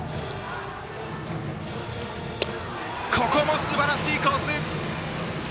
ここもすばらしいコース。